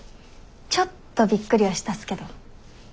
ちょっとびっくりはしたっすけど。